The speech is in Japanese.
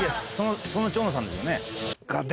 その蝶野さんですよね？